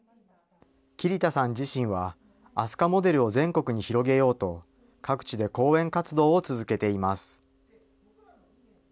桐田さん自身はＡＳＵＫＡモデルを全国に広げようと、各地で講演活動を続けています。